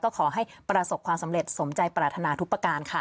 ก็ขอให้ประสบความสำเร็จสมใจปรารถนาทุกประการค่ะ